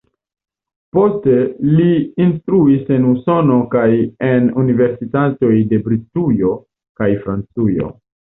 Poste li instruis en Usono kaj en universitatoj en Britujo kaj Francujo.